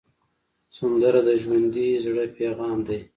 سندره د ژوندي زړه پیغام دی